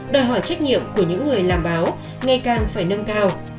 đòi hỏi trách nhiệm của những người làm báo ngày càng phải nâng cao